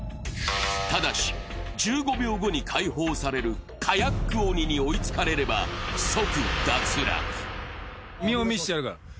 ただし、１５秒後に解放されるカヤック鬼に追いつかれれば即脱落。